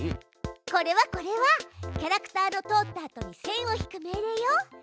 これはこれはキャラクターの通ったあとに線を引く命令よ。